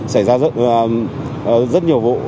xảy ra rất nhiều vụ